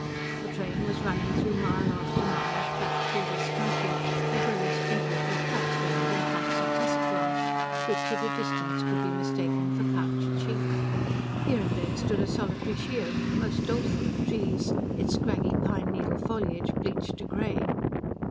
The train was running through mile after mile of flat, treeless country, liberally sprinkled with trapstones and clumps of tussock grass, which at a distance could be mistaken for couched sheep. Here and there stood a solitary she oak, most doleful of trees, its scraggy, pine needle foliage bleached to grey.